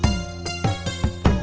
terima kasih bu